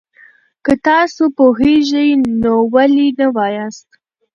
که تاسو پوهېږئ، نو ولې نه وایاست؟